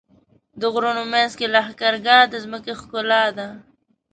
د غرونو منځ کې لښکرګاه د ځمکې ښکلا ده.